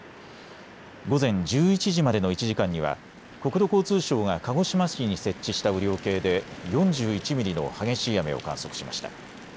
午前１１時までの１時間には国土交通省が鹿児島市に設置した雨量計で４１ミリの激しい雨を観測しました。